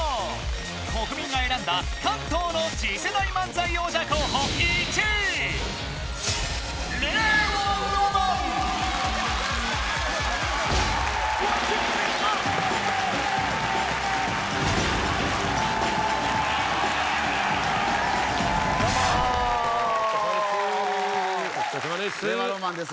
国民が選んだ関東の次世代漫才王者候補１位どうもお疲れさまです